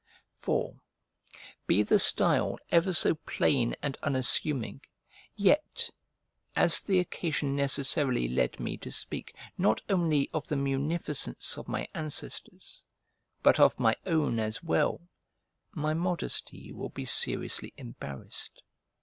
For, be the style ever so plain and unassuming, yet, as the occasion necessarily led me to speak not only of the munificence of my ancestors, but of my own as well, my modesty will be seriously embarrassed.